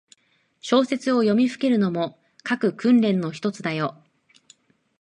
小説を読みふけるのも、書く訓練のひとつだよ。